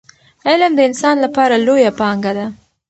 علم د انسان لپاره لویه پانګه ده.